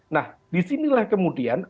nah disinilah kemudian